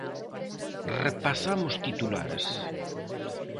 Repasamos titulares.